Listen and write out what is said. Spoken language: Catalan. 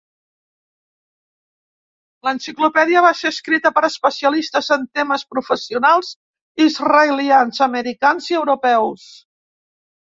L'enciclopèdia va ser escrita per especialistes en temes professionals israelians, americans i europeus.